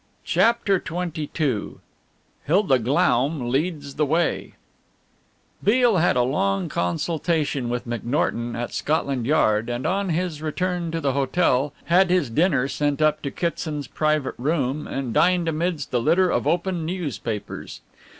CHAPTER XXII HILDA GLAUM LEADS THE WAY Beale had a long consultation with McNorton at Scotland Yard, and on his return to the hotel, had his dinner sent up to Kitson's private room and dined amidst a litter of open newspapers.